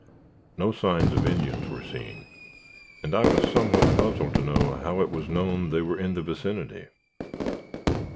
No signs of Indians were seen, and I was somewhat puzzled to know how it was known they were in the vicinity.